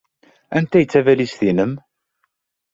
Anta ay d tabalizt-nnem?